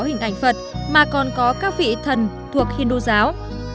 những tình ảnh phật mà còn có các vị thần thuộc hindu giáo